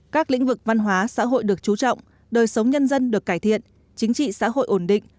các lĩnh vực văn hóa xã hội được chú trọng đời sống nhân dân được cải thiện chính trị xã hội ổn định